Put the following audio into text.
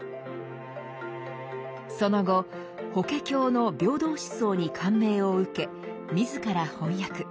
その後「法華経」の平等思想に感銘を受け自ら翻訳。